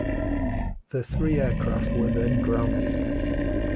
The three aircraft were then grounded.